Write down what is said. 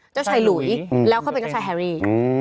เจ้าชายหลุยแล้วเขาเป็นเจ้าชายแฮรี่